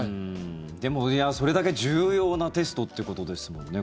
でもそれだけ重要なテストということですもんね